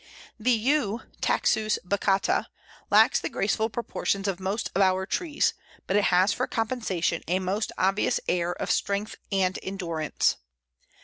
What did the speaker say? The Yew (Taxus baccata) lacks the graceful proportions of most of our trees, but it has for compensation a most obvious air of strength and endurance.